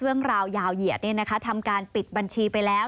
เรื่องราวยาวเหยียดทำการปิดบัญชีไปแล้ว